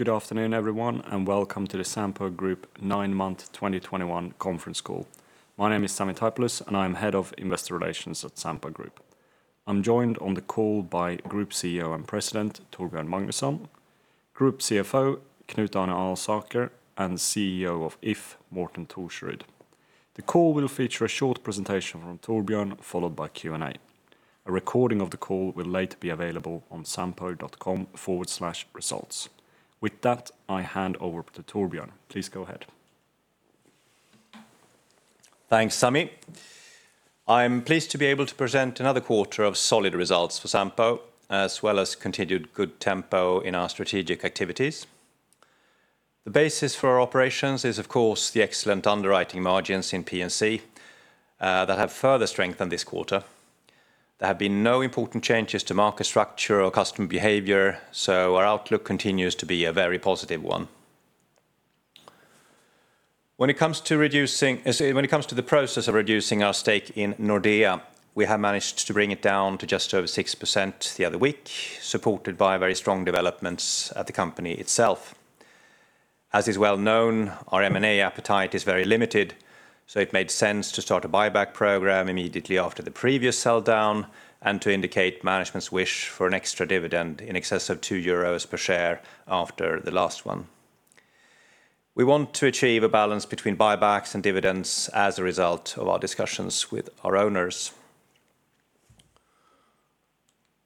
Good afternoon, everyone, and welcome to the Sampo Group Nine-Month 2021 Conference Call. My name is Sami Taipalus, and I'm Head of Investor Relations at Sampo Group. I'm joined on the call by Group CEO and President, Torbjörn Magnusson, Group CFO, Knut Arne Alsaker, and CEO of If, Morten Thorsrud. The call will feature a short presentation from Torbjörn followed by Q&A. A recording of the call will later be available on sampo.com/result. With that, I hand over to Torbjörn. Please go ahead. Thanks, Sami. I'm pleased to be able to present another quarter of solid results for Sampo, as well as continued good tempo in our strategic activities. The basis for our operations is, of course, the excellent underwriting margins in P&C that have further strengthened this quarter. There have been no important changes to market structure or customer behavior, so our outlook continues to be a very positive one. When it comes to the process of reducing our stake in Nordea, we have managed to bring it down to just over 6% the other week, supported by very strong developments at the company itself. As is well known, our M&A appetite is very limited, so it made sense to start a buyback program immediately after the previous sell-down and to indicate management's wish for an extra dividend in excess of 2 euros per share after the last one. We want to achieve a balance between buybacks and dividends as a result of our discussions with our owners.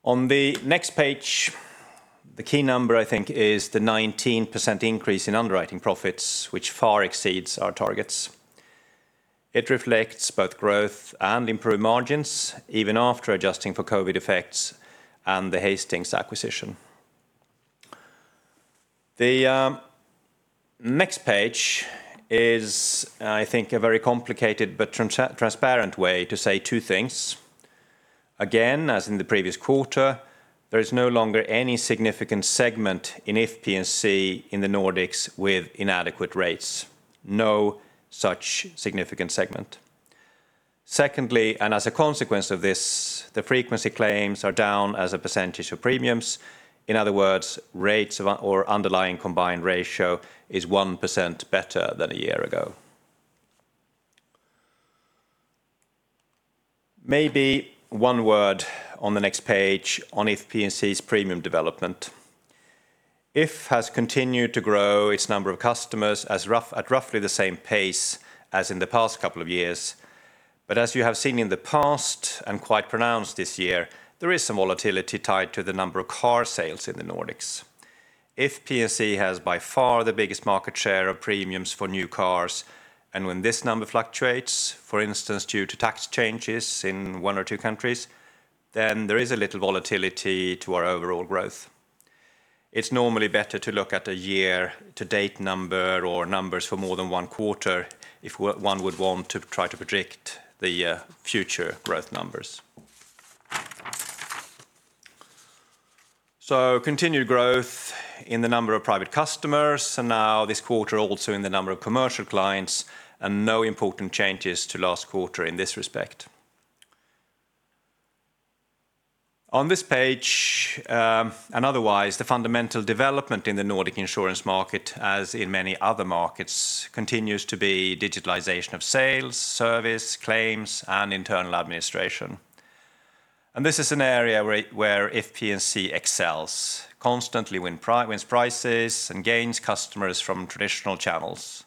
On the next page, the key number, I think, is the 19% increase in underwriting profits, which far exceeds our targets. It reflects both growth and improved margins even after adjusting for COVID effects and the Hastings acquisition. The next page is, I think, a very complicated but transparent way to say two things. Again, as in the previous quarter, there is no longer any significant segment in If P&C in the Nordics with inadequate rates. No such significant segment. Secondly, and as a consequence of this, the frequency of claims are down as a percentage of premiums. In other words, rather, the underlying combined ratio is 1% better than a year ago. Maybe one word on the next page on If P&C's premium development. If has continued to grow its number of customers at roughly the same pace as in the past couple of years. As you have seen in the past, and quite pronounced this year, there is some volatility tied to the number of car sales in the Nordics. If P&C has by far the biggest market share of premiums for new cars, and when this number fluctuates, for instance, due to tax changes in one or two countries, then there is a little volatility to our overall growth. It's normally better to look at a year-to-date number or numbers for more than one quarter if one would want to try to predict the future growth numbers. Continued growth in the number of private customers, and now this quarter, also in the number of Commercial Clients, and no important changes to last quarter in this respect. On this page, and otherwise, the fundamental development in the Nordic insurance market, as in many other markets, continues to be digitalization of sales, service, claims, and internal administration. This is an area where If P&C excels constantly wins prizes and gains customers from traditional channels.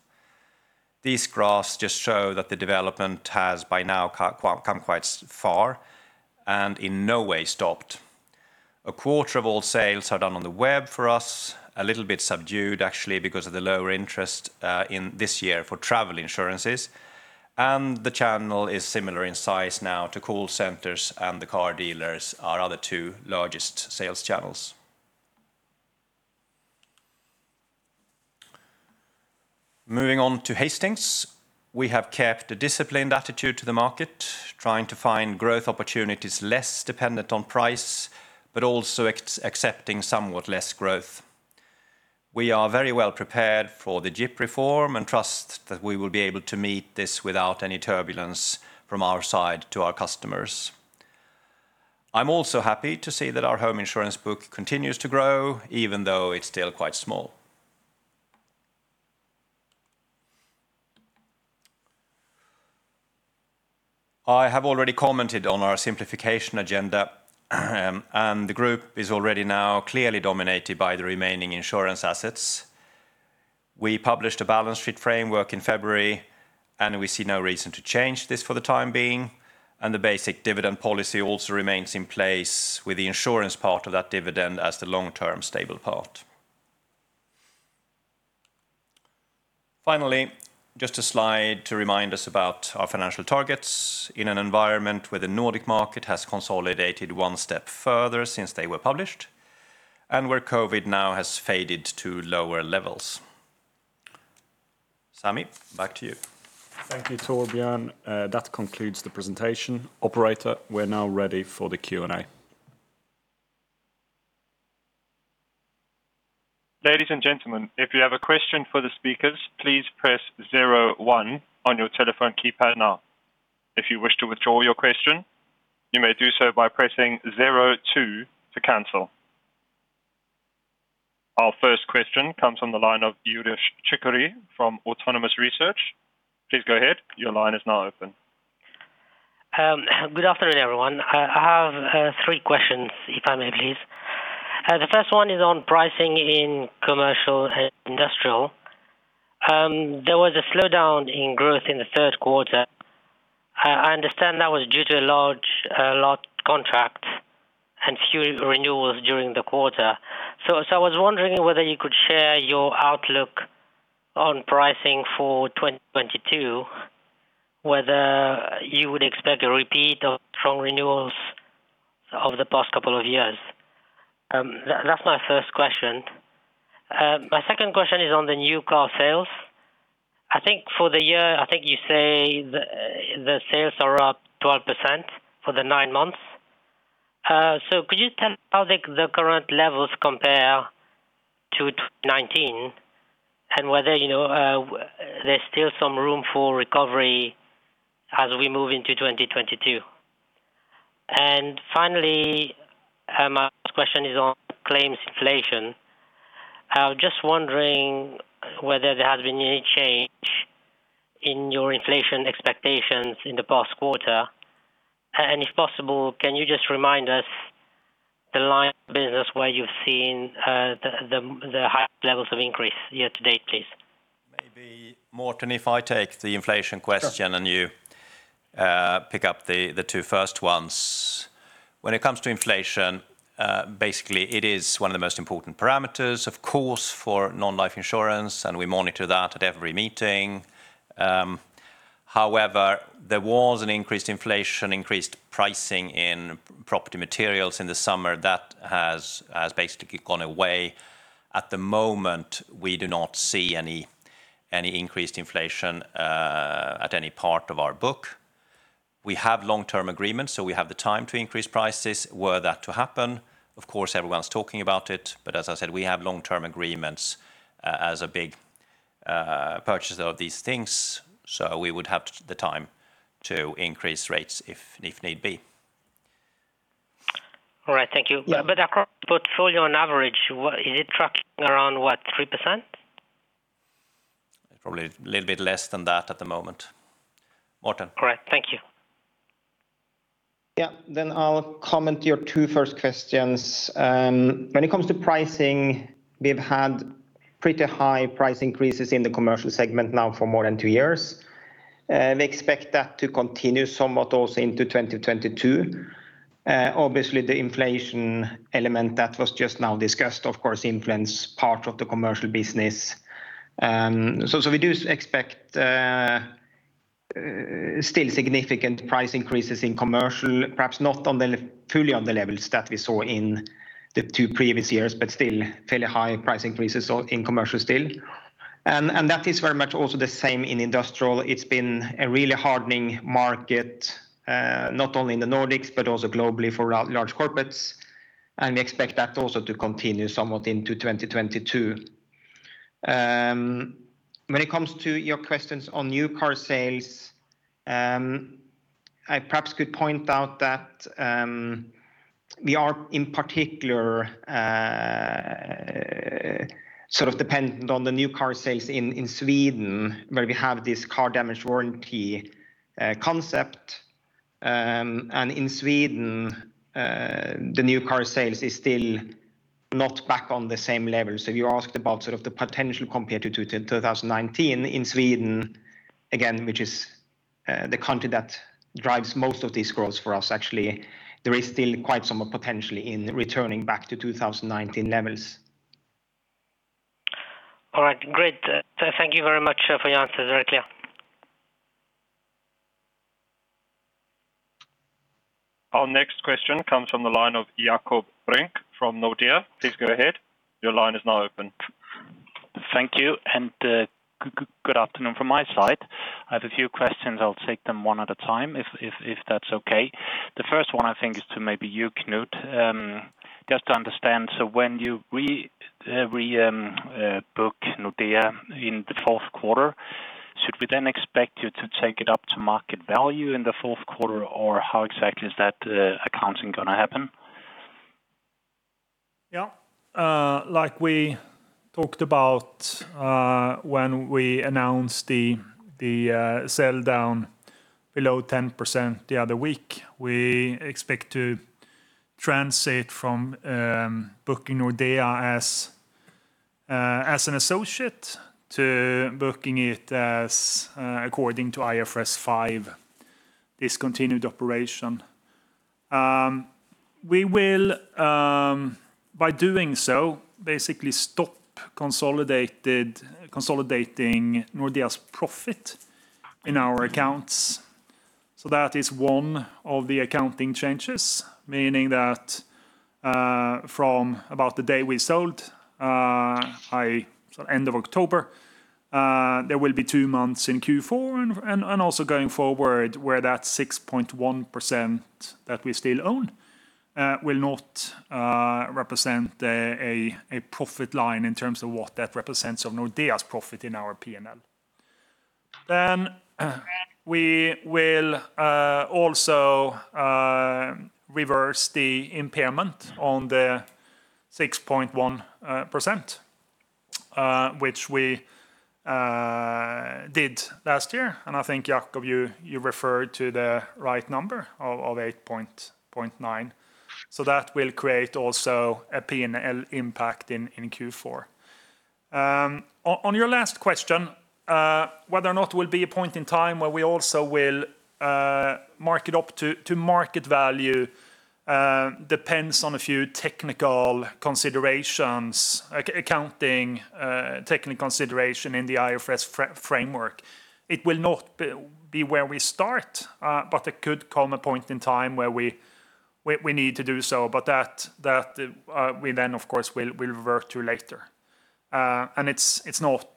These graphs just show that the development has by now come quite far and in no way stopped. A quarter of all sales are done on the web for us, a little bit subdued, actually, because of the lower interest in this year for travel insurances. The channel is similar in size now to call centers, and the car dealers are other two largest sales channels. Moving on to Hastings, we have kept a disciplined attitude to the market, trying to find growth opportunities less dependent on price, but also accepting somewhat less growth. We are very well prepared for the GIP reform and trust that we will be able to meet this without any turbulence from our side to our customers. I'm also happy to see that our home insurance book continues to grow even though it's still quite small. I have already commented on our simplification agenda, and the group is already now clearly dominated by the remaining insurance assets. We published a balance sheet framework in February, and we see no reason to change this for the time being, and the basic dividend policy also remains in place with the insurance part of that dividend as the long-term stable part. Finally, just a slide to remind us about our financial targets in an environment where the Nordic market has consolidated one step further since they were published and where COVID now has faded to lower levels. Sami, back to you. Thank you, Torbjörn. That concludes the presentation. Operator, we're now ready for the Q&A. Ladies and gentlemen, if you have a question for the speakers, please press zero one on your telephone keypad now. If you wish to withdraw your question, you may do so by pressing zero two to cancel. Our first question comes on the line of Youdish Chicooree from Autonomous Research. Please go ahead. Your line is now open. Good afternoon, everyone. I have three questions, if I may, please. The first one is on pricing in Commercial and Industrial. There was a slowdown in growth in the first quarter. I understand that was due to a large contract and few renewals during the quarter. I was wondering whether you could share your outlook on pricing for 2022, whether you would expect a repeat of strong renewals over the past couple of years. That's my first question. My second question is on the new car sales. I think for the year, I think you say the sales are up 12% for the nine months. Could you tell how the current levels compare to 2019 and whether, you know, there's still some room for recovery as we move into 2022? Finally, my last question is on claims inflation. Just wondering whether there has been any change in your inflation expectations in the past quarter. If possible, can you just remind us the line of business where you've seen the higher levels of increase year to date, please? Maybe, Morten, if I take the inflation question. Sure. You pick up the two first ones. When it comes to inflation, basically it is one of the most important parameters, of course, for non-life insurance, and we monitor that at every meeting. However, there was an increased inflation, increased pricing in property materials in the summer that has basically gone away. At the moment, we do not see any increased inflation at any part of our book. We have long-term agreements, so we have the time to increase prices were that to happen. Of course, everyone's talking about it, but as I said, we have long-term agreements as a big purchaser of these things, so we would have the time to increase rates if need be. All right. Thank you. Yeah. Across the portfolio on average, what is it tracking around, what, 3%? Probably a little bit less than that at the moment. Morten? All right. Thank you. I'll comment on your first two questions. When it comes to pricing, we've had pretty high price increases in the commercial segment now for more than two years. We expect that to continue somewhat also into 2022. Obviously the inflation element that was just now discussed, of course, influence part of the commercial business. We do expect still significant price increases in commercial, perhaps not fully on the levels that we saw in the two previous years, but still fairly high price increases, so in commercial still. That is very much also the same in industrial. It's been a really hardening market, not only in the Nordics, but also globally for large corporates, and we expect that also to continue somewhat into 2022. When it comes to your questions on new car sales, I perhaps could point out that we are in particular sort of dependent on the new car sales in Sweden, where we have this Car Damage Warranty concept. In Sweden, the new car sales is still not back on the same level. You asked about sort of the potential compared to 2019 in Sweden, again, which is the country that drives most of these growth for us, actually. There is still quite some potential in returning back to 2019 levels. All right. Great. Thank you very much for your answers. Very clear. Our next question comes from the line of Jakob Brink from Nordea. Please go ahead. Your line is now open. Thank you, and good afternoon from my side. I have a few questions. I'll take them one at a time if that's okay. The first one I think is to maybe you, Knut. Just to understand, so when you rebook Nordea in the fourth quarter, should we then expect you to take it up to market value in the fourth quarter, or how exactly is that accounting gonna happen? Yeah. Like we talked about, when we announced the sell down below 10% the other week, we expect to translate from booking Nordea as an associate to booking it as according to IFRS 5 discontinued operation. We will, by doing so, basically stop consolidating Nordea's profit in our accounts. That is one of the accounting changes, meaning that from about the day we sold by end of October, there will be two months in Q4 and also going forward where that 6.1% that we still own will not represent a profit line in terms of what that represents of Nordea's profit in our P&L. We will also reverse the impairment on the 6.1%, which we did last year. I think, Jakob, you referred to the right number of 8.9. That will create also a P&L impact in Q4. On your last question, whether or not there will be a point in time where we also will mark it to market value depends on a few accounting technical considerations in the IFRS framework. It will not be where we start, but there could come a point in time where we need to do so. That we then of course will revert to later. And it's not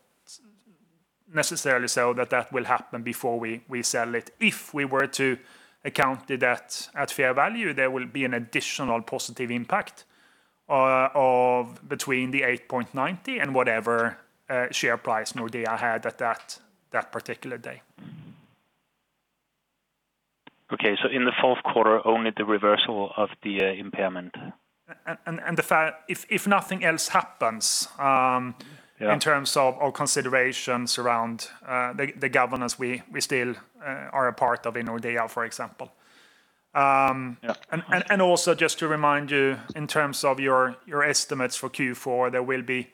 necessarily so that that will happen before we sell it. If we were to account the debt at fair value, there will be an additional positive impact of between 8.90 and whatever share price Nordea had at that particular day. Okay. In the fourth quarter, only the reversal of the impairment. If nothing else happens in terms of our considerations around the governance we still are a part of in Nordea, for example. Also just to remind you, in terms of your estimates for Q4, there will be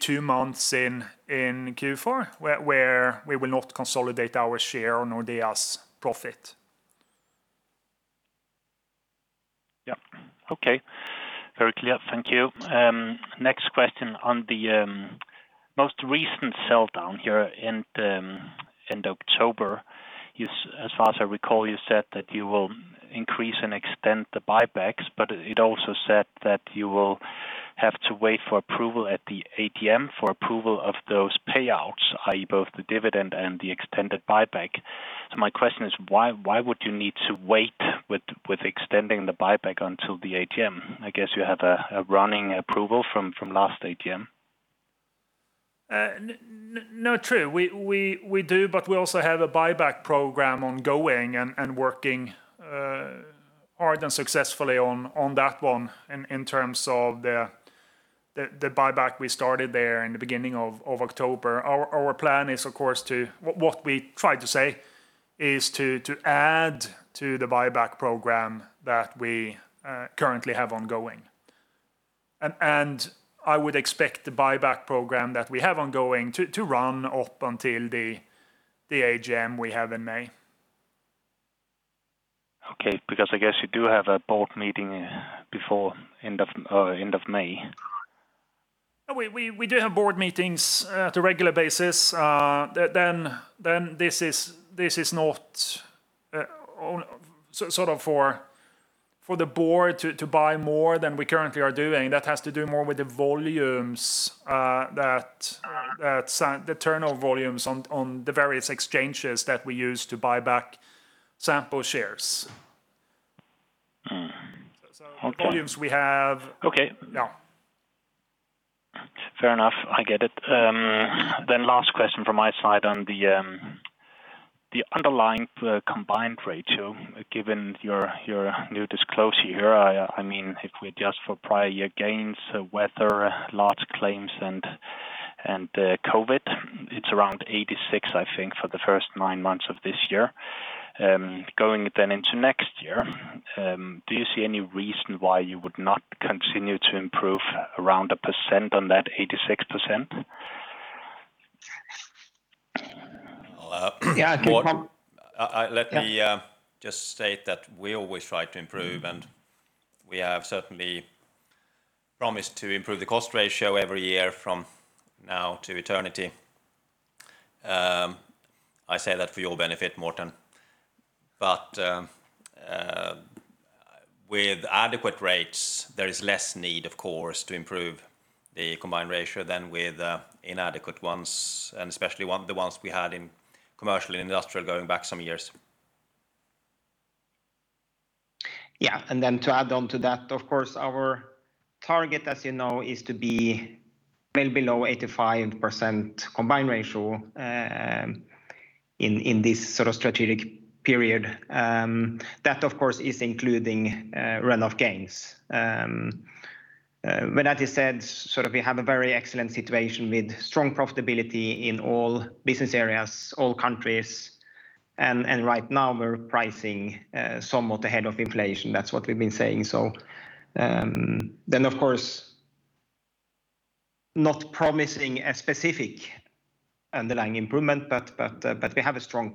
two months in Q4 where we will not consolidate our share on Nordea's profit. Yeah. Okay. Very clear. Thank you. Next question on the most recent sell down here in end October. As far as I recall, you said that you will increase and extend the buybacks, but it also said that you will have to wait for approval at the AGM for approval of those payouts, i.e., both the dividend and the extended buyback. My question is why would you need to wait with extending the buyback until the AGM? I guess you have a running approval from last AGM. No true. We do, but we also have a buyback program ongoing and working hard and successfully on that one in terms of the buyback we started there in the beginning of October. Our plan is of course to what we tried to say is to add to the buyback program that we currently have ongoing. I would expect the buyback program that we have ongoing to run up until the AGM we have in May. Okay. Because I guess you do have a board meeting before end of May. We do have board meetings on a regular basis. This is not on sort of for the board to buy more than we currently are doing. That has to do more with the volumes, the turnover volumes on the various exchanges that we use to buy back Sampo shares. The volumes we have. Okay. Yeah. Fair enough. I get it. Last question from my side on the underlying combined ratio, given your new disclosure here. I mean, if we adjust for prior year gains, weather, large claims and COVID, it's around 86%, I think, for the first nine months of this year. Going then into next year, do you see any reason why you would not continue to improve around 1% on that 86%? Well. Yeah, I think. Morten, let me just state that we always try to improve, and we have certainly promised to improve the cost ratio every year from now to eternity. I say that for your benefit, Morten. With adequate rates, there is less need, of course, to improve the combined ratio than with inadequate ones, and especially the ones we had in Commercial and Industrial going back some years. Yeah. Then to add on to that, of course, our target, as you know, is to be well below 85% combined ratio in this sort of strategic period. That of course is including run-off gains. But that said, sort of we have a very excellent situation with strong profitability in all business areas, all countries. Right now we're pricing somewhat ahead of inflation. That's what we've been saying. Then of course, not promising a specific underlying improvement, we have a strong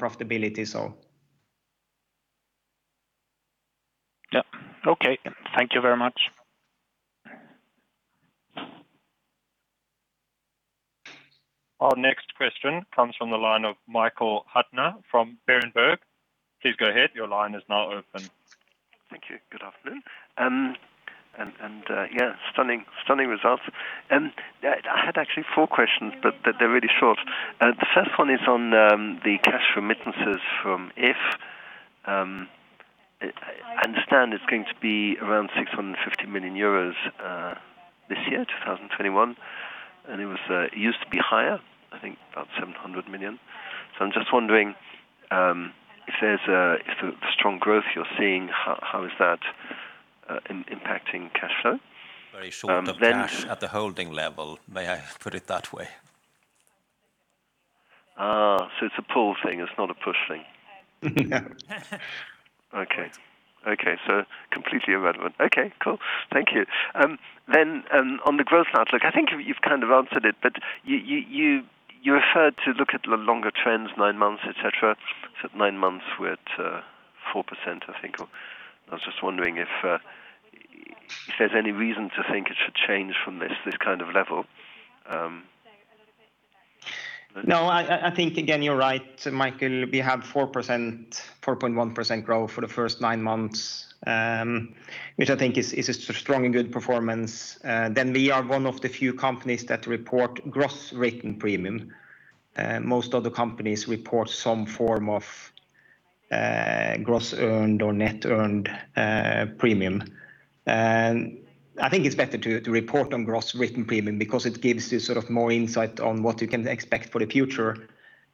profitability, so. Yeah. Okay. Thank you very much. Our next question comes from the line of Michael Huttner from Berenberg. Please go ahead. Your line is now open. Thank you. Good afternoon. Stunning results. I had actually four questions, but they're really short. The first one is on the cash remittances from If. I understand it's going to be around 650 million euros this year, 2021. It used to be higher, I think about 700 million. I'm just wondering if the strong growth you're seeing, how is that impacting cash flow? Very short of cash at the holding level. May I put it that way? It's a pull thing, it's not a push thing. Okay. Okay. Completely irrelevant. Okay, cool. Thank you. On the growth outlook, I think you've kind of answered it, but you referred to look at the longer trends, nine months, et cetera. At nine months, we're at 4%, I think. I was just wondering if there's any reason to think it should change from this kind of level. No, I think again, you're right, Michael. We have 4%, 4.1% growth for the first 9 months, which I think is a strong and good performance. Then we are one of the few companies that report gross written premium. Most other companies report some form of gross earned or net earned premium. I think it's better to report on gross written premium because it gives you sort of more insight on what you can expect for the future.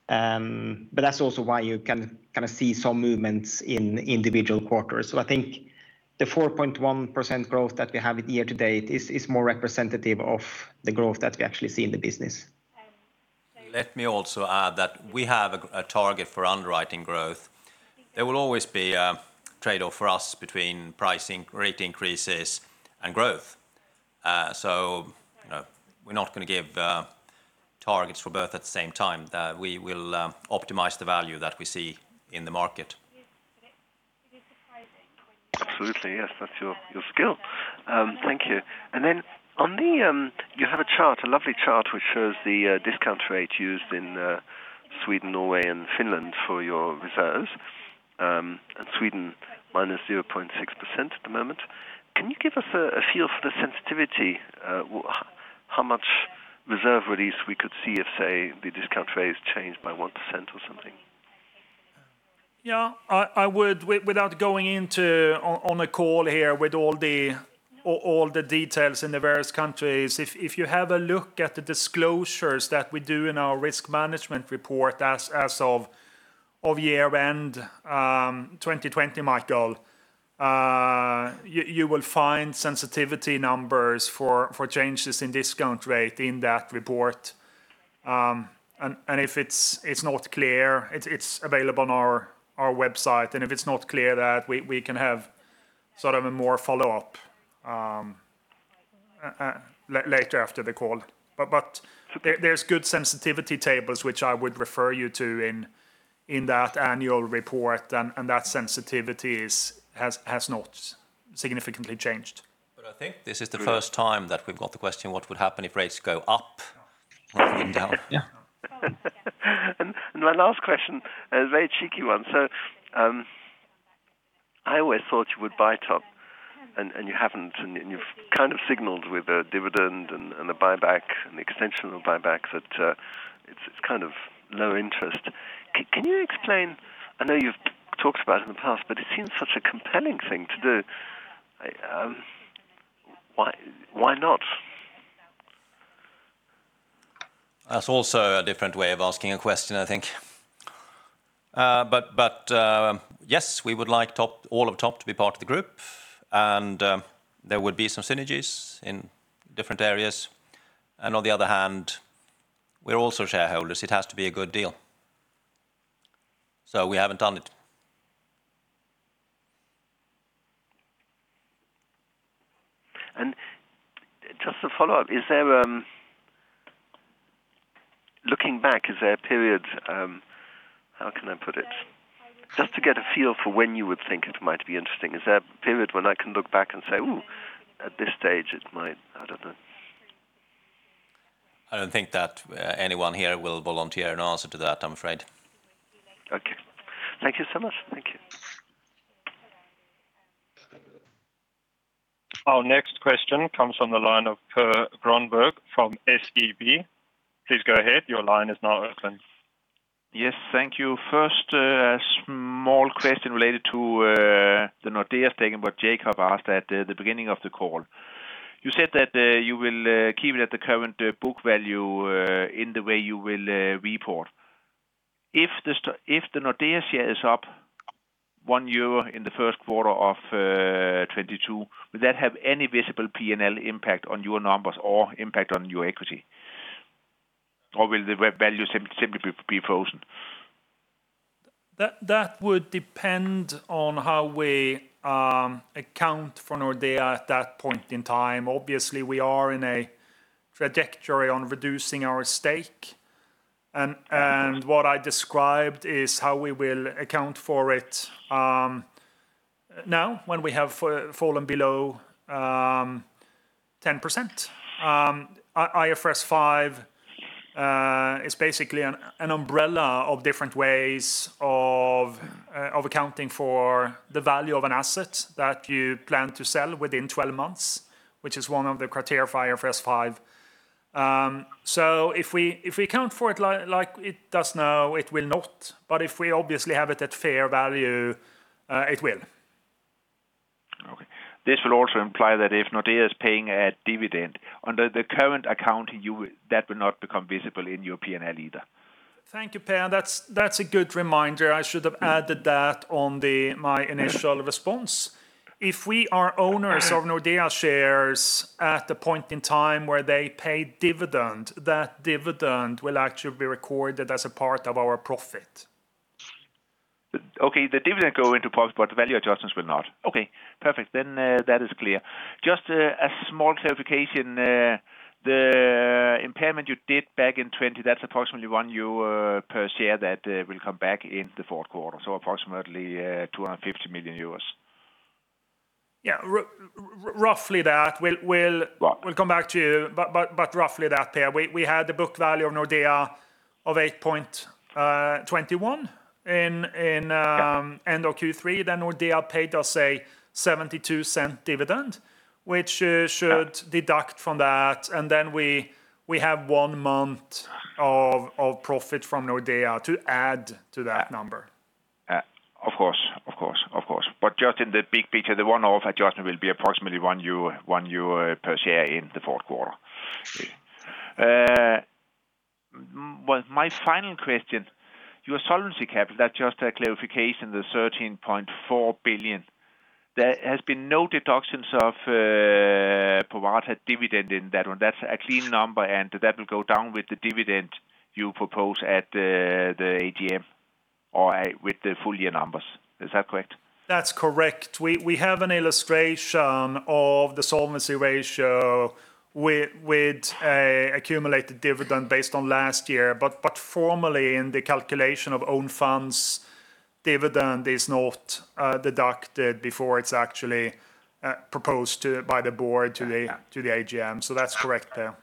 That's also why you can kind of see some movements in individual quarters. I think the 4.1% growth that we have year-to-date is more representative of the growth that we actually see in the business. Let me also add that we have a target for underwriting growth. There will always be a trade-off for us between pricing rate increases and growth. You know, we're not gonna give targets for both at the same time. We will optimize the value that we see in the market. Absolutely, yes. That's your skill. Thank you. You have a chart, a lovely chart, which shows the discount rate used in Sweden, Norway, and Finland for your reserves, and Sweden -0.6% at the moment. Can you give us a feel for the sensitivity, how much reserve release we could see if, say, the discount rate is changed by 1% or something? Yeah. I would without going into it on a call here with all the details in the various countries. If you have a look at the disclosures that we do in our risk management report as of year-end 2020, Michael, you will find sensitivity numbers for changes in discount rate in that report. If it's not clear, it's available on our website. If it's not clear that we can have sort of a more follow-up later after the call. There's good sensitivity tables, which I would refer you to in that annual report, and that sensitivity has not significantly changed. I think this is the first time that we've got the question, what would happen if rates go up or even down? Yeah. My last question, a very cheeky one. I always thought you would buy Top, and you haven't, and you've kind of signaled with a dividend and a buyback, an extension of buyback that it's kind of low interest. Can you explain, I know you've talked about it in the past, but it seems such a compelling thing to do. Why not? That's also a different way of asking a question, I think. Yes, we would like Topdanmark, all of Topdanmark to be part of the group, and there would be some synergies in different areas. On the other hand, we're also shareholders. It has to be a good deal. We haven't done it. Just to follow up, is there, looking back, is there a period? How can I put it? Just to get a feel for when you would think it might be interesting. Is there a period when I can look back and say, "Oh, at this stage, it might," I don't know. I don't think that anyone here will volunteer an answer to that, I'm afraid. Okay. Thank you so much. Thank you. Our next question comes from the line of Per Grønborg from SEB. Please go ahead. Your line is now open. Yes, thank you. First, a small question related to the Nordea stake, and what Jacob asked at the beginning of the call. You said that you will keep it at the current book value in the way you will report. If the Nordea share is up 1 euro in the first quarter of 2022, will that have any visible P&L impact on your numbers or impact on your equity? Or will the book value simply be frozen? That would depend on how we account for Nordea at that point in time. Obviously, we are in a trajectory on reducing our stake. What I described is how we will account for it now when we have fallen below 10%. IFRS 5 is basically an umbrella of different ways of accounting for the value of an asset that you plan to sell within 12 months, which is one of the criteria of IFRS 5. If we account for it like it does now, it will not. If we obviously have it at fair value, it will. Okay. This will also imply that if Nordea is paying a dividend under the current account, that will not become visible in your P&L either. Thank you, Per. That's a good reminder. I should have added that to my initial response. If we are owners of Nordea shares at the point in time where they pay dividend, that dividend will actually be recorded as a part of our profit. Okay. The dividend go into profit, but the value adjustments will not. Okay, perfect. That is clear. Just a small clarification. The impairment you did back in 2020, that's approximately 1 euro per share that will come back in the fourth quarter, so approximately 250 million euros. Yeah. Roughly that. We'll come back to you. Roughly that, Per. We had the book value of Nordea of 8.21 in end of Q3. Nordea paid us a 0.72 dividend, which should deduct from that, and then we have one month of profit from Nordea to add to that number. Of course. Just in the big picture, the one-off adjustment will be approximately 1 euro per share in the fourth quarter. My final question, your solvency capital, just a clarification, the 13.4 billion, there has been no deductions of proposed dividend in that one. That's a clean number, and that will go down with the dividend you propose at the AGM or with the full year numbers. Is that correct? That's correct. We have an illustration of the solvency ratio with accumulated dividend based on last year. Formally in the calculation of own funds, dividend is not deducted before it's actually proposed by the board to the AGM. That's correct, Per.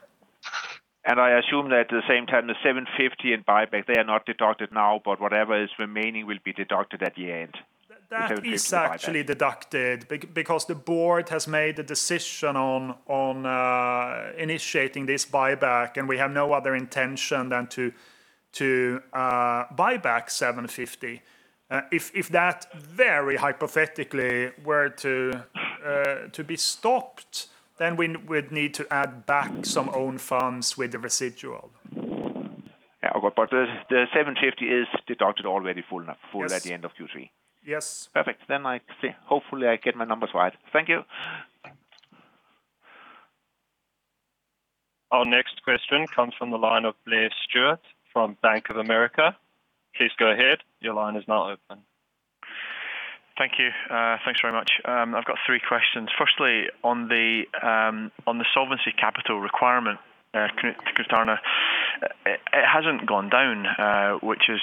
I assume that at the same time, the 750 million in buyback, they are not deducted now, but whatever is remaining will be deducted at the end, the EUR 750 million buyback. That is actually deducted because the board has made a decision on initiating this buyback, and we have no other intention than to buy back 750 million. If that very hypothetically were to be stopped, then we would need to add back some own funds with the residual. Yeah. The 750 million is deducted already full at the end of Q3. Yes. Perfect. Hopefully, I get my numbers right. Thank you. Our next question comes from the line of Blair Stewart from Bank of America. Please go ahead. Your line is now open. Thank you. Thanks very much. I've got three questions. Firstly, on the solvency capital requirement, Knut Arne. It hasn't gone down, which is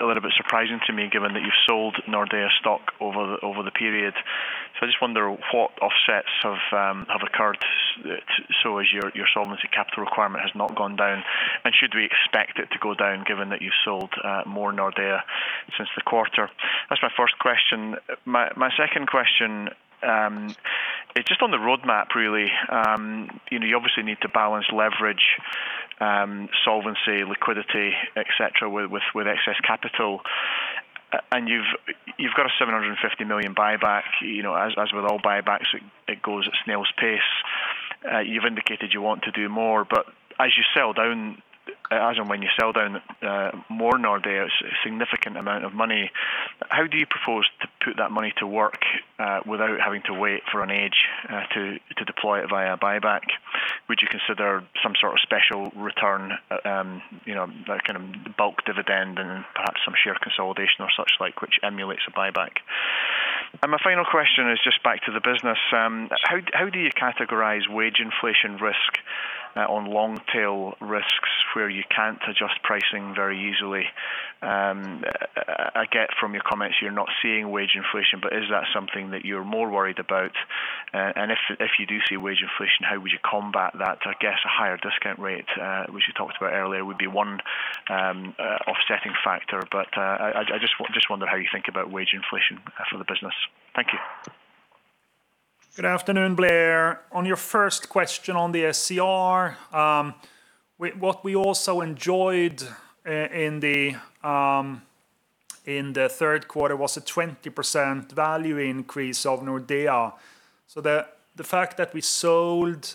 a little bit surprising to me given that you've sold Nordea stock over the period. I just wonder what offsets have occurred so as your solvency capital requirement has not gone down, and should we expect it to go down given that you've sold more Nordea since the quarter. That's my first question. My second question is just on the roadmap really. You know, you obviously need to balance leverage, solvency, liquidity, et cetera, with excess capital. You've got a 750 million buyback. You know, as with all buybacks, it goes at snail's pace. You've indicated you want to do more. As you sell down, when you sell down more Nordea, a significant amount of money, how do you propose to put that money to work, without having to wait for an age, to deploy it via buyback? Would you consider some sort of special return, you know, a kind of bulk dividend and perhaps some share consolidation or such like, which emulates a buyback? My final question is just back to the business. How do you categorize wage inflation risk, on long tail risks where you can't adjust pricing very easily? I get from your comments you're not seeing wage inflation, but is that something that you're more worried about? If you do see wage inflation, how would you combat that? I guess a higher discount rate, which you talked about earlier, would be one offsetting factor. I just wonder how you think about wage inflation for the business. Thank you. Good afternoon, Blair. On your first question on the SCR, what we also enjoyed in the third quarter was a 20% value increase of Nordea. The fact that we sold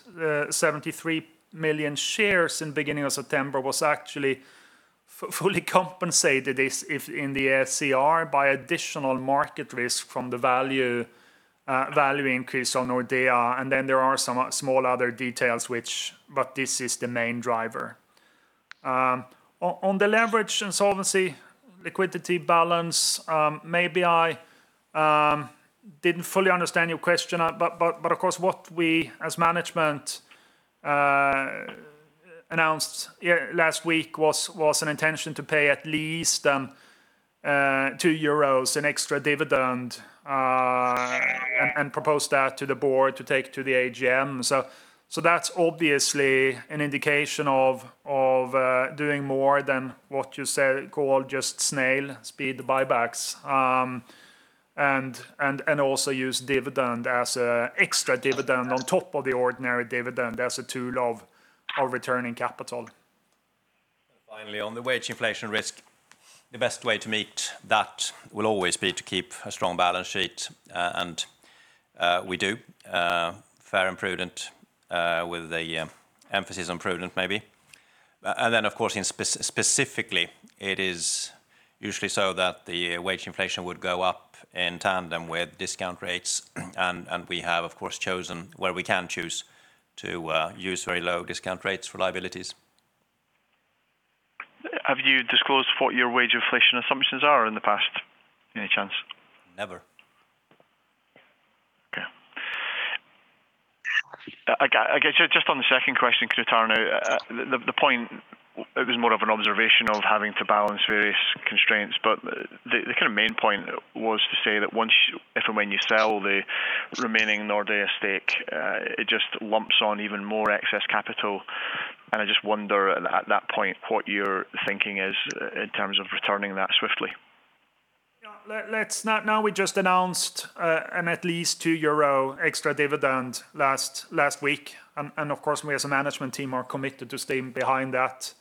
73 million shares in the beginning of September was actually fully compensated this in the SCR by additional market risk from the value increase on Nordea, and then there are some small other details, but this is the main driver. On the leverage and solvency liquidity balance, maybe I didn't fully understand your question. Of course what we as management announced, yeah, last week was an intention to pay at least 2 euros in extra dividend and propose that to the board to take to the AGM. That's obviously an indication of doing more than what you said you call just snail's pace buybacks. Also use dividend as an extra dividend on top of the ordinary dividend as a tool for returning capital. Finally, on the wage inflation risk, the best way to meet that will always be to keep a strong balance sheet, and we do fairly prudent, with the emphasis on prudent maybe. Of course specifically, it is usually so that the wage inflation would go up in tandem with discount rates, and we have of course chosen where we can choose to use very low discount rates for liabilities. Have you disclosed what your wage inflation assumptions are in the past by any chance? Never. Okay. I guess just on the second question, can I turn now, the point, it was more of an observation of having to balance various constraints, but the kind of main point was to say that once if and when you sell the remaining Nordea stake, it just lumps on even more excess capital. I just wonder at that point what your thinking is in terms of returning that swiftly. Yeah. Let's now we just announced an at least 2 euro extra dividend last week and of course we as a management team are committed to staying behind that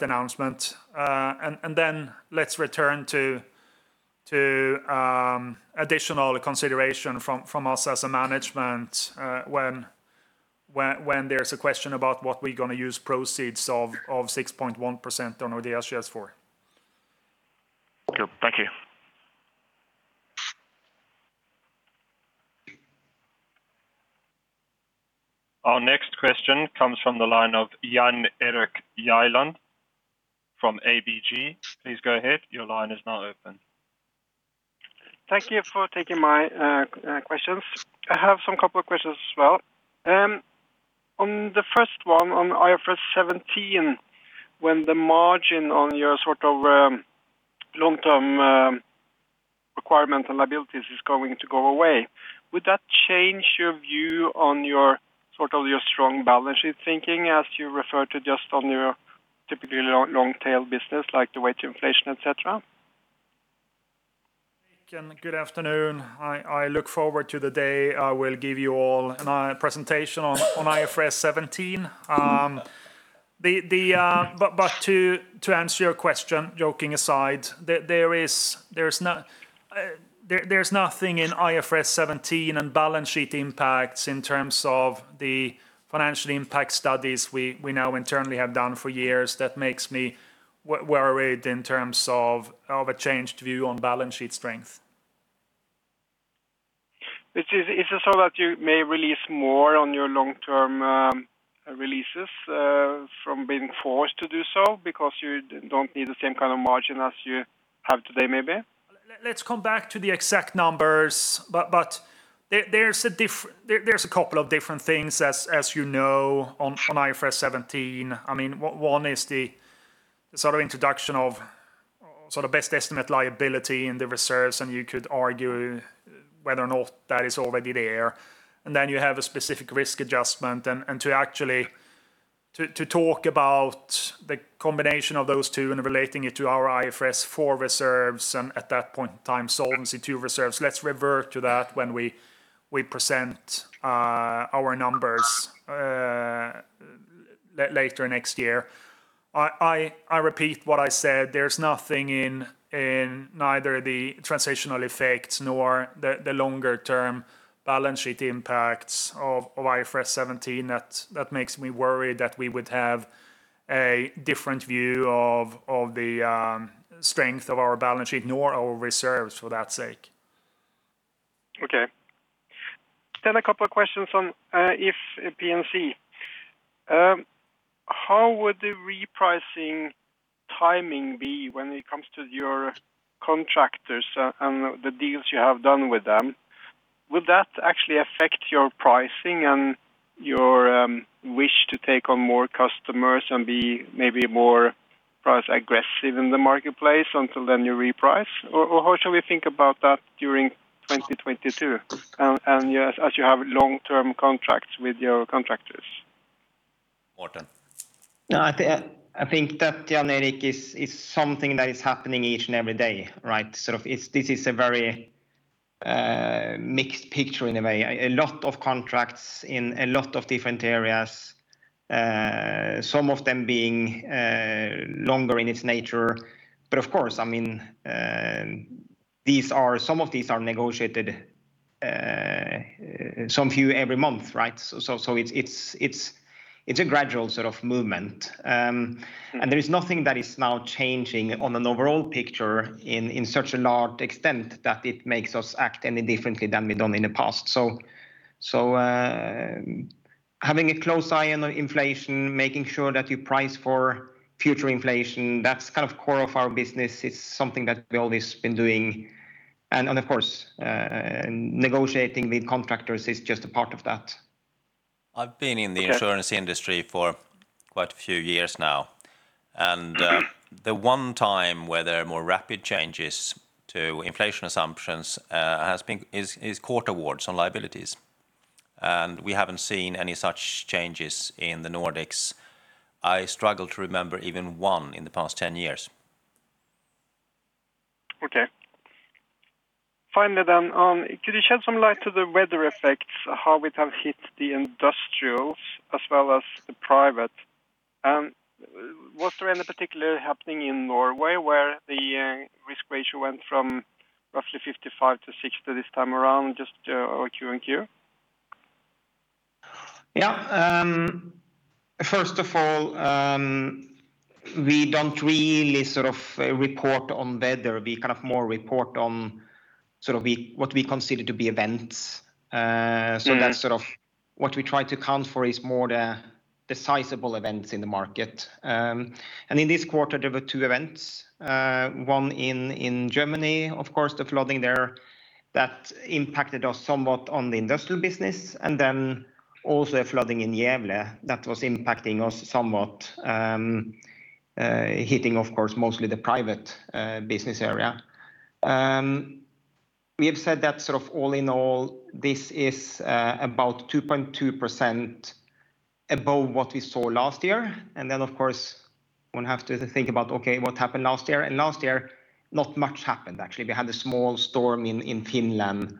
announcement. Then let's return to additional consideration from us as a management when there's a question about what we're gonna use proceeds of 6.1% on Nordea shares for. Cool. Thank you. Our next question comes from the line of Jan Erik Gjerland from ABG. Please go ahead. Your line is now open. Thank you for taking my questions. I have some couple of questions as well. On the first one on IFRS 17, when the margin on your sort of long-term requirement and liabilities is going to go away, would that change your view on your sort of your strong balance sheet thinking as you referred to just on your typically long tail business, like the wage inflation, et cetera? Thank you, and good afternoon. I look forward to the day I will give you all a presentation on IFRS 17. To answer your question, joking aside, there is nothing in IFRS 17 and balance sheet impacts in terms of the financial impact studies we now internally have done for years that makes me worried in terms of a changed view on balance sheet strength. Is it so that you may release more on your long-term releases from being forced to do so because you don't need the same kind of margin as you have today maybe? Let's come back to the exact numbers, but there's a couple of different things as you know, on IFRS 17. I mean, one is the sort of introduction of sort of best estimate liability in the reserves, and you could argue whether or not that is already there. You have a specific risk adjustment and to actually talk about the combination of those two and relating it to our IFRS 4 reserves and at that point in time, Solvency II reserves. Let's revert to that when we present our numbers later next year. I repeat what I said, there's nothing in neither the transitional effects nor the longer term balance sheet impacts of IFRS 17 that makes me worried that we would have a different view of the strength of our balance sheet nor our reserves for that sake. Okay. A couple of questions on If P&C. How would the repricing timing be when it comes to your contractors and the deals you have done with them? Would that actually affect your pricing and your wish to take on more customers and be maybe more price aggressive in the marketplace until then you reprice? Or how should we think about that during 2022 and as you have long-term contracts with your contractors? Morten. No, I think that Jan Erik is something that is happening each and every day, right? This is a very mixed picture in a way. A lot of contracts in a lot of different areas, some of them being longer in its nature. Of course, I mean, some of these are negotiated some few every month, right? It's a gradual sort of movement. There is nothing that is now changing on an overall picture in such a large extent that it makes us act any differently than we've done in the past. Having a close eye on inflation, making sure that you price for future inflation, that's kind of core of our business. It's something that we've always been doing. Of course, negotiating with contractors is just a part of that. I've been in the insurance industry for quite a few years now, and the one time where there are more rapid changes to inflation assumptions is court awards on liabilities. We haven't seen any such changes in the Nordics. I struggle to remember even one in the past 10 years. Okay. Finally, could you shed some light to the weather effects, how it has hit the industrials as well as the private? Was there any particular happening in Norway where the risk ratio went from roughly 55%-60% this time around just Q and Q? Yeah. First of all, we don't really sort of report on weather. We kind of more report on sort of what we consider to be events. That's sort of what we try to account for is more the decisive events in the market. In this quarter, there were two events, one in Germany, of course, the flooding there that impacted us somewhat on the industrial business, and then also a flooding in Gävle that was impacting us somewhat, hitting, of course, mostly the private business area. We have said that sort of all in all, this is about 2.2% above what we saw last year. Of course, one have to think about, okay, what happened last year? Last year, not much happened, actually. We had a small storm in Finland,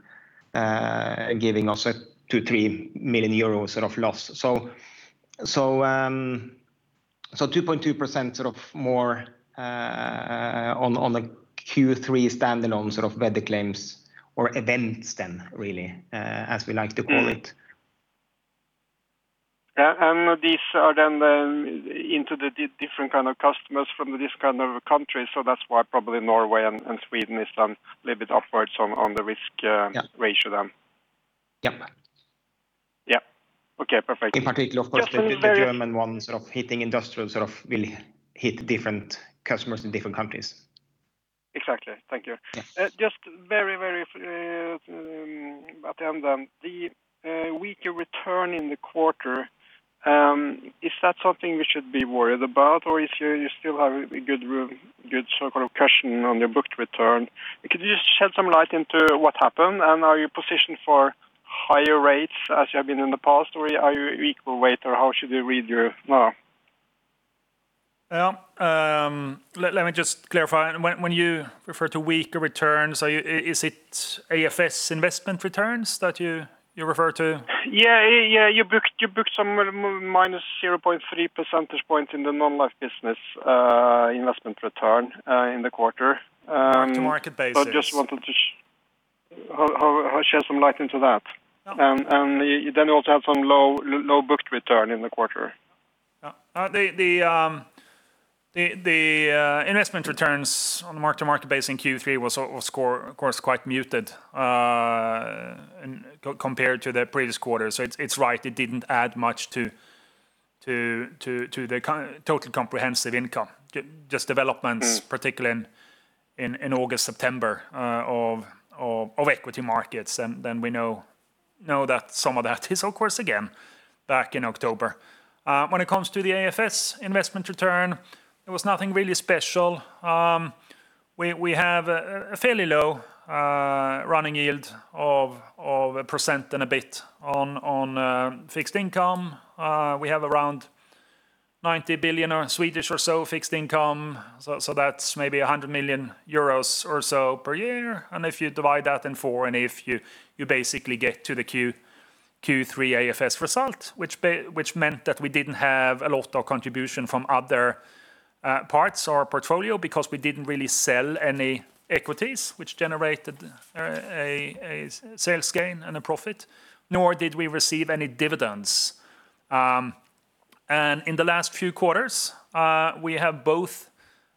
giving us a 2-3 million euros sort of loss. So, 2.2% sort of more on the Q3 standalone sort of weather claims or events than really, as we like to call it. Yeah, these are then into the different kind of customers from this kind of country. That's why probably Norway and Sweden is a little bit upwards on the risk ratio then. Yeah. Yeah. Okay, perfect. In particular, of course. Just one very- The German one sort of hitting industrial sort of will hit different customers in different countries. Exactly. Thank you. Yeah. Just very at the end then, the weaker return in the quarter, is that something we should be worried about? Or if you still have a good room, sort of cushion on your booked return. Could you just shed some light into what happened? Are you positioned for higher rates as you have been in the past, or are you equal weight, or how should we read your Yeah. Let me just clarify. When you refer to weaker returns, is it AFS investment returns that you refer to? Yeah. Yeah, you booked some -0.3 percentage point in the non-life business, investment return, in the quarter. ark-to-market basis I just wanted to shed some light into that. You also have some low booked return in the quarter. The investment returns on the mark-to-market basis in Q3 was, of course, quite muted compared to the previous quarter. It's right, it didn't add much to the kind of total comprehensive income. Just developments particularly in August, September of equity markets. Then we know that some of that is of course, again, back in October. When it comes to the AFS investment return, there was nothing really special. We have a fairly low running yield of 1% and a bit on fixed income. We have around 90 billion fixed income, so that's maybe 100 million euros or so per year. If you divide that in four and if you basically get to the Q3 AFS result, which meant that we didn't have a lot of contribution from other parts or portfolio because we didn't really sell any equities which generated a sales gain and a profit, nor did we receive any dividends. In the last few quarters, we have both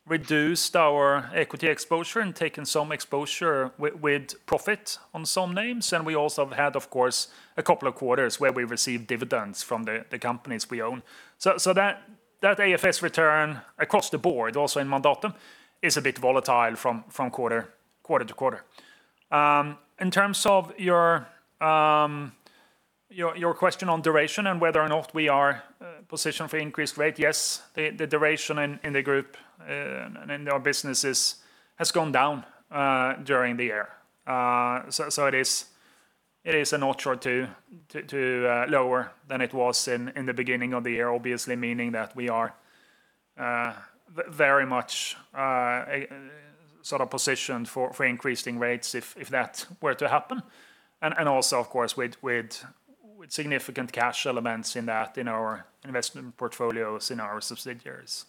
reduced our equity exposure and taken some exposure with profit on some names. We also have had, of course, a couple of quarters where we received dividends from the companies we own. So that AFS return across the board, also in Mandatum, is a bit volatile from quarter to quarter. In terms of your question on duration and whether or not we are positioned for increased rate, yes, the duration in the group and in our businesses has gone down during the year. It is lower than it was in the beginning of the year, obviously, meaning that we are very much sort of positioned for increasing rates if that were to happen. Also, of course, with significant cash elements in that in our investment portfolios in our subsidiaries.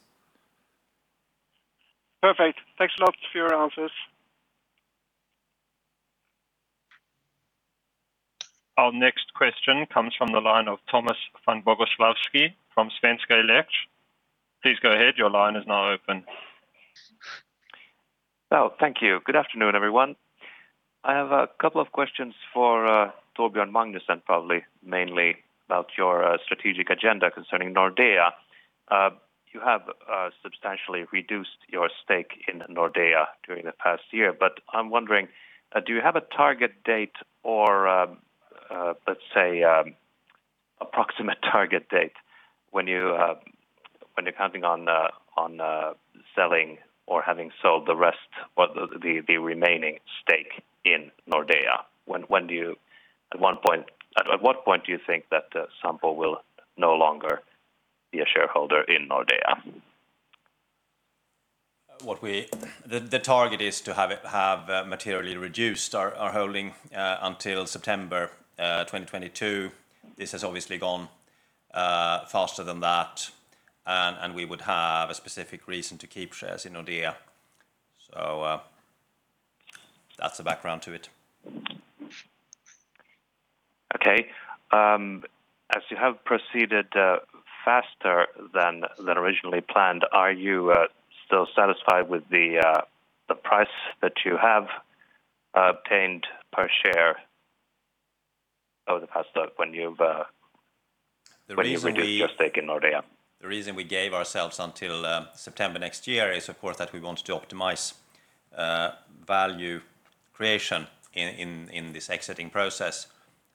Perfect. Thanks a lot for your answers. Our next question comes from the line of Thomas von Boguslawski from Svenska Yle. Please go ahead. Your line is now open. Oh, thank you. Good afternoon, everyone. I have a couple of questions for Torbjörn Magnusson, probably mainly about your strategic agenda concerning Nordea. You have substantially reduced your stake in Nordea during the past year, but I'm wondering, do you have a target date or, let's say, approximate target date when you're counting on selling or having sold the rest of the remaining stake in Nordea? At what point do you think that Sampo will no longer be a shareholder in Nordea? The target is to have materially reduced our holding until September 2022. This has obviously gone faster than that and we would have a specific reason to keep shares in Nordea. That's the background to it. Okay. As you have proceeded faster than originally planned, are you still satisfied with the price that you have obtained per share over the past when you've The reason we- When you reduced your stake in Nordea. The reason we gave ourselves until September next year is of course that we wanted to optimize value creation in this exiting process,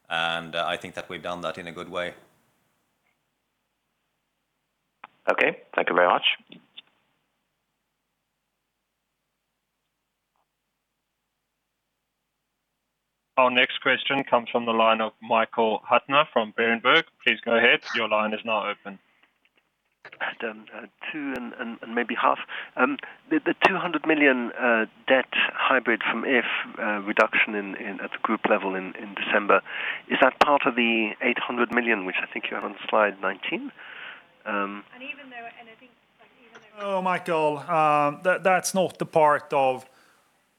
and I think that we've done that in a good way. Okay. Thank you very much. Our next question comes from the line of Michael Huttner from Berenberg. Please go ahead. Your line is now open. Adam, 2 and maybe half. The 200 million debt hybrid from If reduction in at the group level in December, is that part of the 800 million, which I think you have on slide 19? Even though I think like even though. Oh, Michael, that's not the part of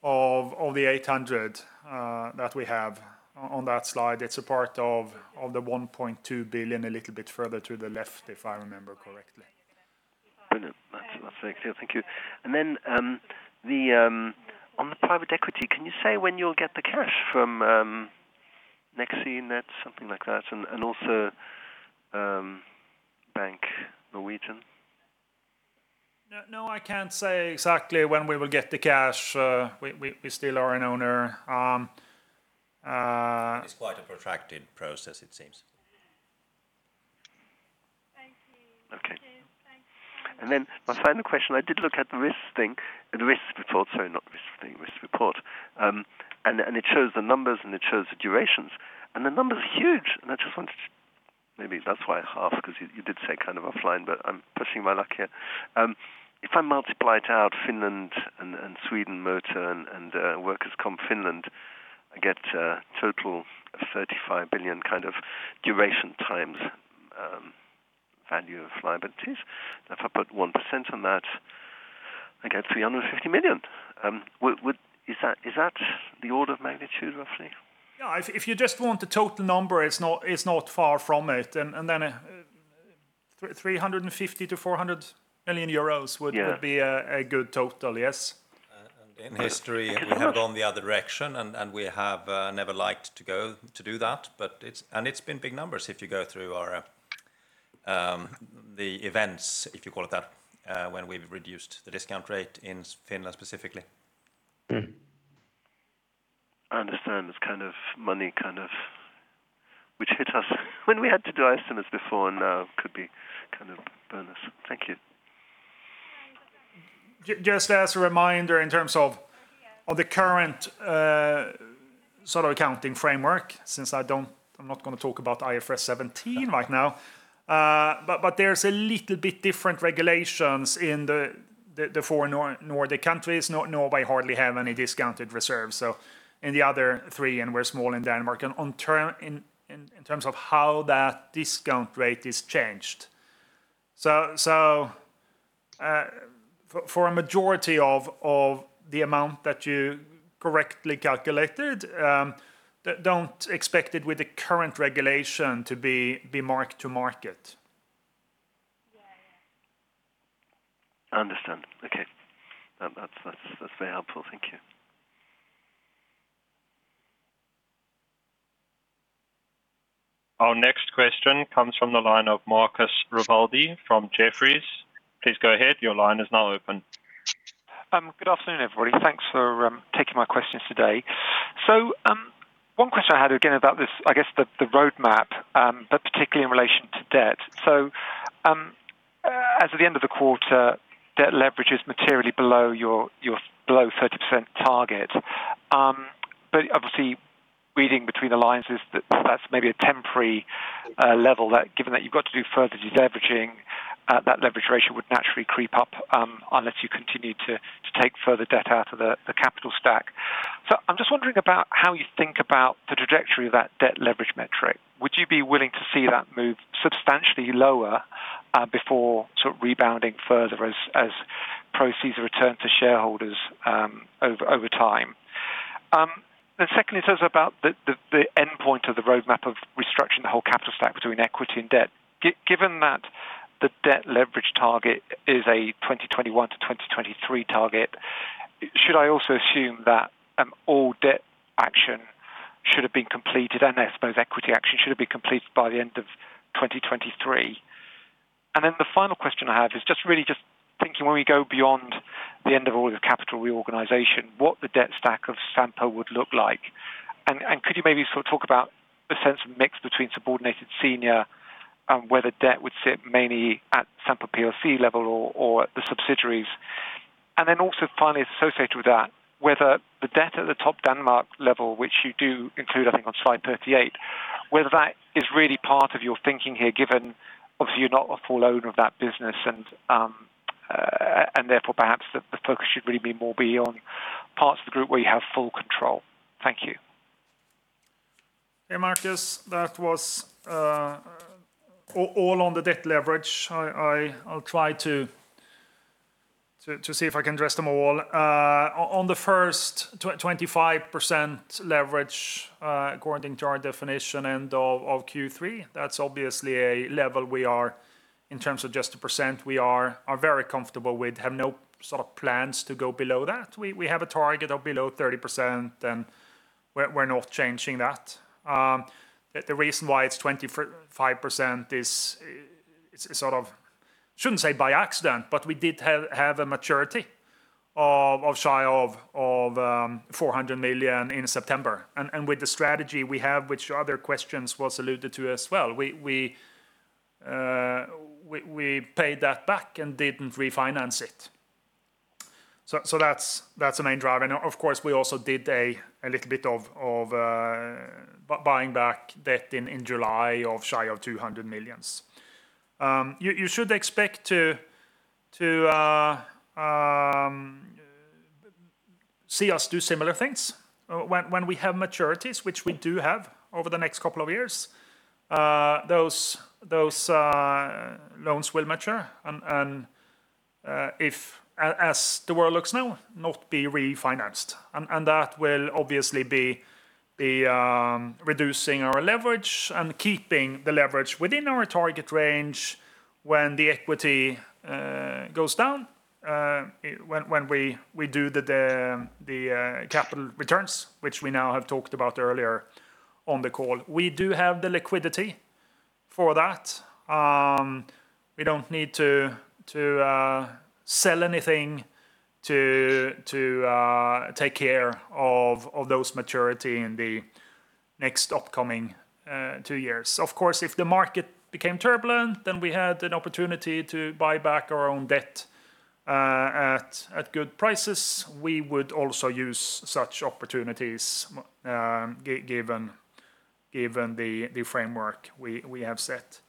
the 800 that we have on that slide. It's a part of the 1.2 billion a little bit further to the left, if I remember correctly. Brilliant. That's very clear. Thank you. On the private equity, can you say when you'll get the cash from Nets, something like that, and also Bank Norwegian? No, I can't say exactly when we will get the cash. We still are an owner. It's quite a protracted process, it seems. Thank you. Okay. Thank you. Then my final question, I did look at the risk report. It shows the numbers and it shows the durations, and the numbers are huge. I just wanted to. Maybe that's why I asked, because you did say kind of offline, but I'm pushing my luck here. If I multiply it out, Finland and Sweden Motor and Workers' Comp Finland, I get a total of 35 billion kind of duration times value of liabilities. If I put 1% on that, I get 350 million. Is that the order of magnitude, roughly? Yeah. If you just want the total number, it's not far from it. Then 350 million-400 million euros would be a good total, yes. In history, we have gone the other direction and we have never liked to go to do that, but it's been big numbers if you go through our, the events, if you call it that, when we've reduced the discount rate in Finland specifically. I understand this kind of money kind of, which hit us when we had to do ISINs before and now could be kind of a bonus. Thank you. Just as a reminder in terms of the current Solvency accounting framework, since I'm not gonna talk about IFRS 17 right now. There's a little bit different regulations in the four Nordic countries. Norway hardly have any discounted reserves. In the other three, and we're small in Denmark, and in turn, in terms of how that discount rate is changed. For a majority of the amount that you correctly calculated, don't expect it with the current regulation to be mark-to-market. I understand. Okay. That's very helpful. Thank you. Our next question comes from the line of Marcus Rivaldi from Jefferies. Please go ahead. Your line is now open. Good afternoon, everybody. Thanks for taking my questions today. One question I had again about this, I guess the roadmap, but particularly in relation to debt. As of the end of the quarter, debt leverage is materially below your 30% target. But obviously reading between the lines is that that's maybe a temporary level that given that you've got to do further deleveraging, that leverage ratio would naturally creep up, unless you continue to take further debt out of the capital stack. I'm just wondering about how you think about the trajectory of that debt leverage metric. Would you be willing to see that move substantially lower, before sort of rebounding further as proceeds return to shareholders, over time? Secondly, it says about the endpoint of the roadmap of restructuring the whole capital stack between equity and debt. Given that the debt leverage target is a 2021-2023 target, should I also assume that all debt should have been completed, and I suppose equity action should have been completed by the end of 2023. Then the final question I have is just thinking when we go beyond the end of all your capital reorganization, what the debt stack of Sampo would look like. Could you maybe sort of talk about the sense of mix between subordinated, senior and whether debt would sit mainly at Sampo plc level or at the subsidiaries. Also finally associated with that, whether the debt at the Topdanmark level, which you do include, I think on slide 38, whether that is really part of your thinking here, given obviously you're not a full owner of that business and therefore perhaps the focus should really be more beyond parts of the group where you have full control. Thank you. Hey, Marcus. That was all on the debt leverage. I'll try to see if I can address them all. On the first 25% leverage, according to our definition and of Q3, that's obviously a level we are in terms of just a percent we are very comfortable with, have no sort of plans to go below that. We have a target of below 30%, and we're not changing that. The reason why it's 25% is sort of, shouldn't say by accident, but we did have a maturity of shy of 400 million in September. With the strategy we have, which other questions was alluded to as well, we paid that back and didn't refinance it. That's the main driver. Now of course, we also did a little bit of buying back debt in July of shy of 200 million. You should expect to see us do similar things when we have maturities, which we do have over the next couple of years. Those loans will mature and, as the world looks now, not be refinanced. That will obviously be reducing our leverage and keeping the leverage within our target range when the equity goes down when we do the capital returns, which we now have talked about earlier on the call. We do have the liquidity for that. We don't need to sell anything to take care of those maturities in the next upcoming two years. Of course, if the market became turbulent, then we had an opportunity to buy back our own debt at good prices. We would also use such opportunities given the framework we have set.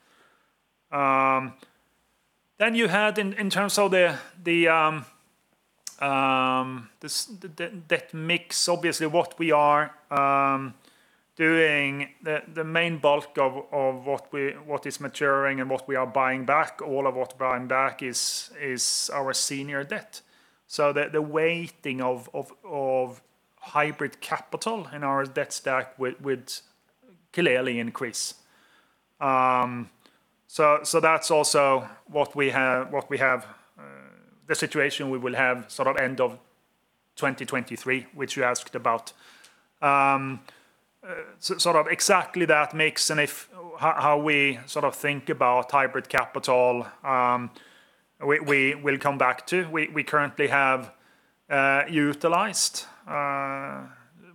You had in terms of the debt mix, obviously what we are doing the main bulk of what is maturing and what we are buying back, all of what buying back is our senior debt. The weighting of hybrid capital in our debt stack would clearly increase. That's also what we have, the situation we will have sort of end of 2023, which you asked about. Sort of exactly that mix and how we sort of think about hybrid capital, we will come back to. We currently have utilized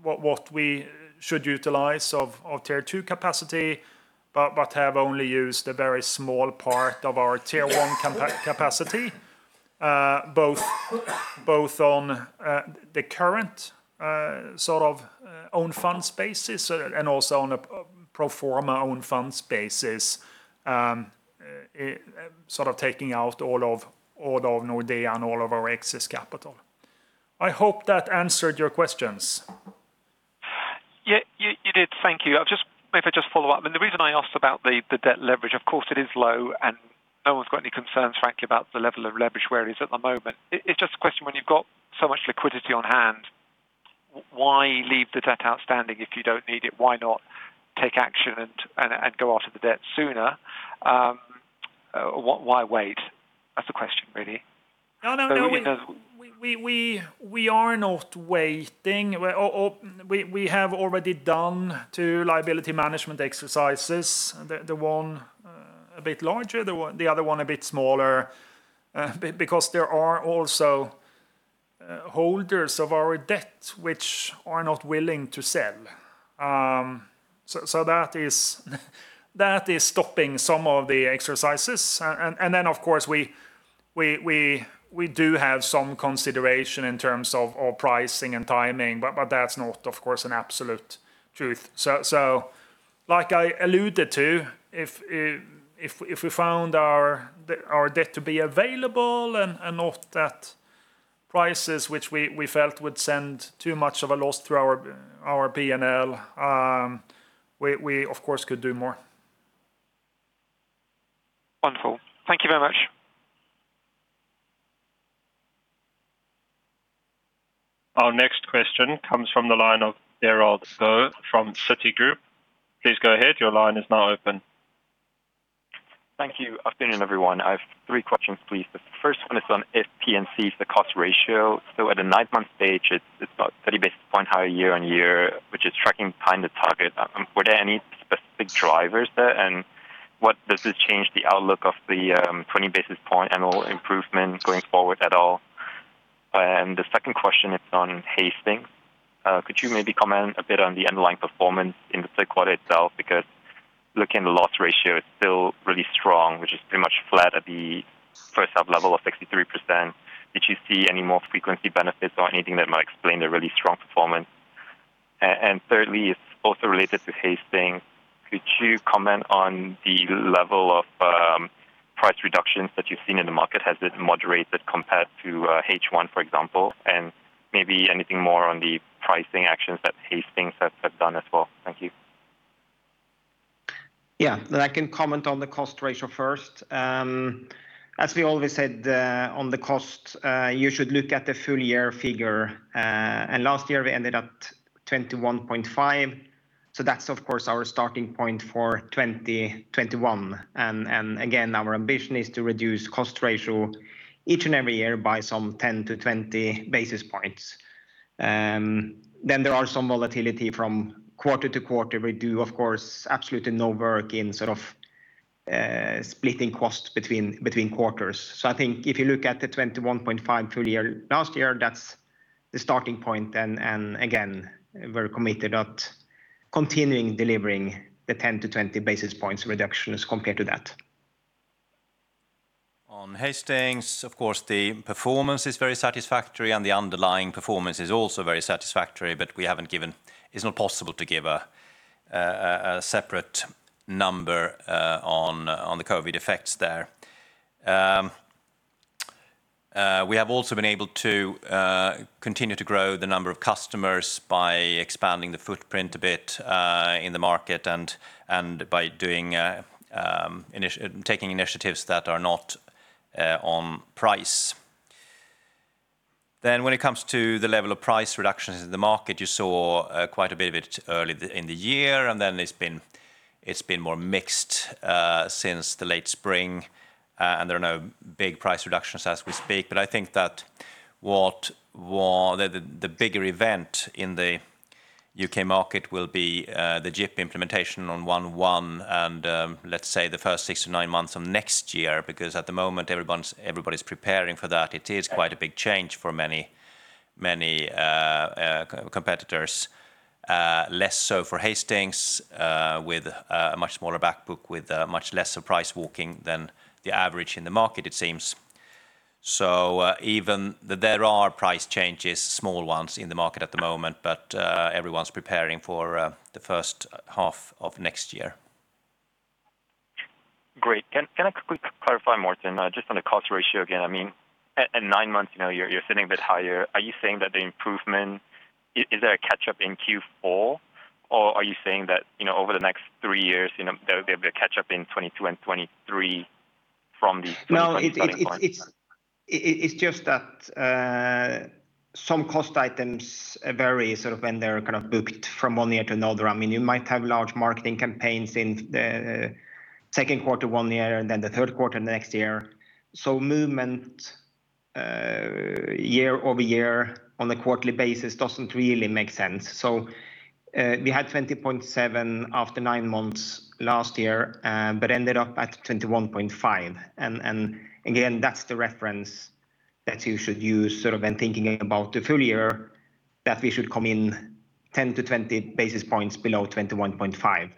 what we should utilize of Tier 2 capacity, but have only used a very small part of our Tier 1 capacity, both on the current sort of own funds basis and also on a pro forma own funds basis, sort of taking out all of Nordea and all of our excess capital. I hope that answered your questions. Yeah, you did. Thank you. Maybe if I just follow up. The reason I asked about the debt leverage, of course it is low and no one's got any concerns, frankly, about the level of leverage where it is at the moment. It's just a question when you've got so much liquidity on hand, why leave the debt outstanding if you don't need it? Why not take action and go after the debt sooner? Why wait? That's the question really. No, no. So even- We are not waiting. We have already done two liability management exercises. The one a bit larger, the other one a bit smaller, because there are also holders of our debt which are not willing to sell. That is stopping some of the exercises. Of course we do have some consideration in terms of pricing and timing, but that's not of course an absolute truth. Like I alluded to, if we found our debt to be available and not at prices which we felt would send too much of a loss through our P&L, we of course could do more. Wonderful. Thank you very much. Our next question comes from the line of Derald Goh from Citigroup. Please go ahead. Your line is now open. Thank you. Afternoon, everyone. I have three questions, please. The first one is on If P&C's cost ratio. At the nine-month stage, it's about 30 basis points higher year-on-year, which is tracking behind the target. Were there any specific drivers there? And does it change the outlook of the 20 basis points annual improvement going forward at all? The second question is on Hastings. Could you maybe comment a bit on the underlying performance in the third quarter itself? Because looking at the loss ratio, it's still really strong, which is pretty much flat at the first half level of 63%. Did you see any more frequency benefits or anything that might explain the really strong performance? Third, it's also related to Hastings. Could you comment on the level of price reductions that you've seen in the market? Has it moderated compared to H1, for example? Maybe anything more on the pricing actions that Hastings have done as well. Thank you. Yeah. I can comment on the cost ratio first. As we always said, on the cost, you should look at the full year figure. Last year we ended up 21.5%, so that's of course our starting point for 2021. Again, our ambition is to reduce cost ratio each and every year by some 10-20 basis points. There are some volatility from quarter to quarter. We do of course absolutely no work in sort of splitting costs between quarters. I think if you look at the 21.5% full year last year, that's the starting point then. Again, we're committed to continuing delivering the 10-20 basis points reduction as compared to that. On Hastings, of course, the performance is very satisfactory and the underlying performance is also very satisfactory, but we haven't given. It's not possible to give a separate number on the COVID effects there. We have also been able to continue to grow the number of customers by expanding the footprint a bit in the market and by taking initiatives that are not on price. When it comes to the level of price reductions in the market, you saw quite a bit of it early in the year, and then it's been more mixed since the late spring. There are no big price reductions as we speak. I think that the bigger event in the U.K. market will be the GIP implementation on January 1 and let's say the first six to nine months of next year, because at the moment everyone's preparing for that. It is quite a big change for many competitors. Less so for Hastings with a much smaller back book with much lesser price walking than the average in the market, it seems. Even though there are price changes, small ones in the market at the moment, everyone's preparing for the first half of next year. Great. Can I quickly clarify more, then just on the cost ratio again? I mean, at nine months, you know, you're sitting a bit higher. Are you saying that the improvement is there a catch-up in Q4, or are you saying that, you know, over the next three years, you know, there'll be a catch-up in 2022 and 2023 from the 2021? No, it's just that some cost items vary sort of when they're kind of booked from one year to another. I mean, you might have large marketing campaigns in the second quarter one year and then the third quarter next year. Movement year-over-year on a quarterly basis doesn't really make sense. We had 20.7 after nine months last year, but ended up at 21.5. Again, that's the reference that you should use sort of when thinking about the full year, that we should come in 10-20 basis points below 21.5 basis points.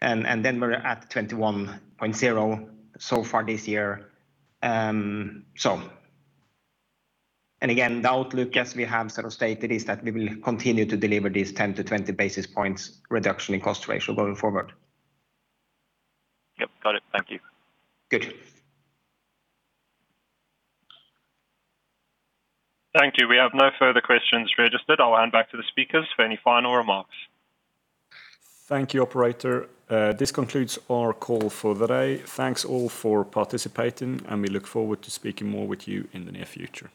Then we're at 21.0 basis points so far this year. Again, the outlook as we have sort of stated is that we will continue to deliver these 10-20 basis points reduction in cost ratio going forward. Yep, got it. Thank you. Good. Thank you. We have no further questions registered. I'll hand back to the speakers for any final remarks. Thank you, operator. This concludes our call for the day. Thanks, all for participating, and we look forward to speaking more with you in the near future.